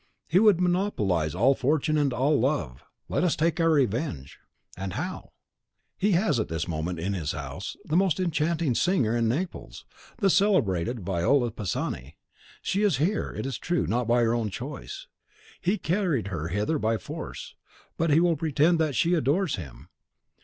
'He would monopolize all fortune and all love. Let us take our revenge.' "'And how?' "'He has at this moment, in his house, the most enchanting singer in Naples, the celebrated Viola Pisani. She is here, it is true, not by her own choice; he carried her hither by force, but he will pretend that she adores him.